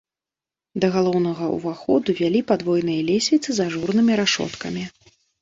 Да галоўнага ўваходу вялі падвойныя лесвіцы з ажурнымі рашоткамі.